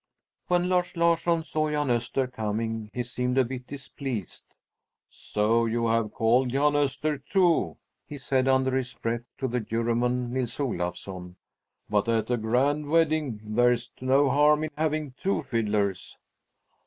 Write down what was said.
When Lars Larsson saw Jan Öster coming, he seemed a bit displeased. "So you have called Jan Öster, too," he said under his breath to the Juryman Nils Olafsson, "but at a grand wedding there's no harm in having two fiddlers."